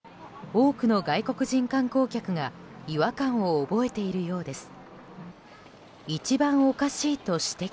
多くの外国人観光客が違和感を覚えているようです。